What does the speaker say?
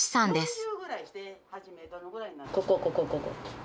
ここここここ。